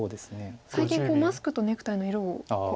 最近マスクとネクタイの色を合わせて。